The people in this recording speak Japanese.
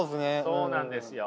そうなんですよ。